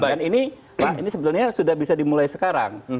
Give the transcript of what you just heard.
dan ini pak ini sebenarnya sudah bisa dimulai sekarang